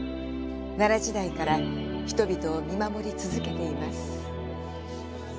奈良時代から人々を見守り続けています。